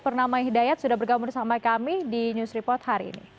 purnama hidayat sudah bergabung bersama kami di news report hari ini